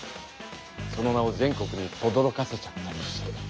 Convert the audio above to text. その名を全国にとどろかせちゃったりして。